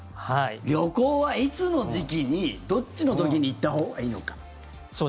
旅行はいつの時期にどっちの時に行ったほうがいいのか。